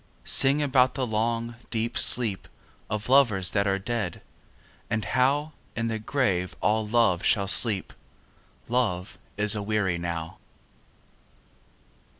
Sing about the long deep sleep Of lovers that are dead, and how In the grave all love shall sleep: Love is aweary now.